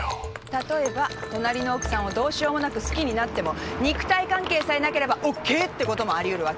例えば隣の奥さんをどうしようもなく好きになっても肉体関係さえなければＯＫってこともありうるわけ。